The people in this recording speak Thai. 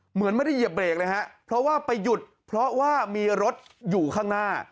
เหมือนไม่ได้เหยียบเบรกเลยฮะเพราะว่าไปหยุดเพราะว่ามีรถอยู่ข้างหน้า